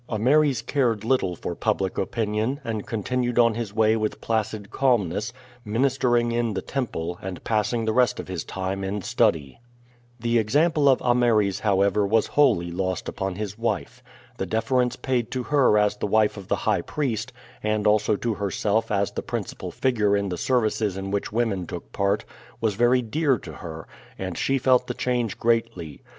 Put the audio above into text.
Ameres cared little for public opinion, and continued on his way with placid calmness, ministering in the temple and passing the rest of his time in study. The example of Ameres, however, was wholly lost upon his wife. The deference paid to her as the wife of the high priest, and also to herself as the principal figure in the services in which women took part, was very dear to her, and she felt the change greatly.